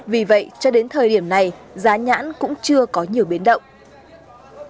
vì vậy cho đến thời điểm này giá nhãn cũng chưa có nhiều biến động